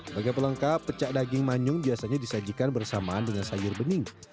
bagaimana pelengkap pecah daging manyu biasanya disajikan bersamaan dengan sayur bening